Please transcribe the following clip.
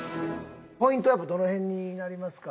ポイントはどの辺になりますか？